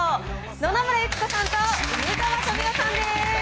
野々村友妃子さんと、梅沢富美男さんです。